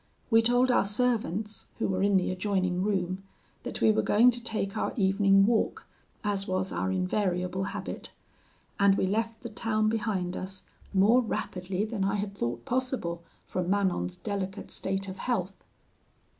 We told our servants, who were in the adjoining room, that we were going to take our evening walk, as was our invariable habit; and we left the town behind us more rapidly than I had thought possible from Manon's delicate state of health.